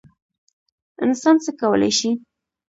انسان څه کولی شي؟